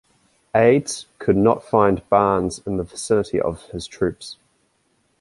Aides could not find Barnes in the vicinity of his troops.